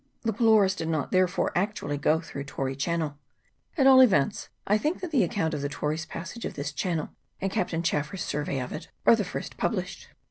The Pylorus did not, therefore, actually go through Tory Chan nel. At all events, I think that the account of the Tory's passage of this channel and Captain ChafFers's survey of it are the first published.